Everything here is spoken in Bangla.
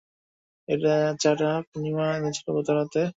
এই চা-টা পূর্ণিমা এনেছিল গতরাতে।